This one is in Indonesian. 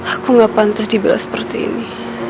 aku gak pantas dibilang seperti ini